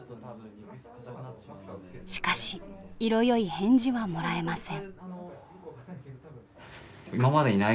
しかし色よい返事はもらえません。